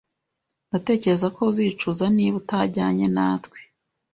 Ndatekereza ko uzicuza niba utajyanye natwe